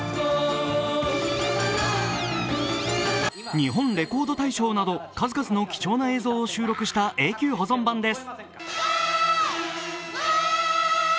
日本レコード大賞など数々の貴重な映像を収録した永久保存版です。